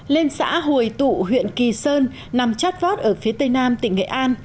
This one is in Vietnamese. lên xã hồi tụ huyện kỳ sơn nằm chát vót ở phía tây nam tỉnh nghệ an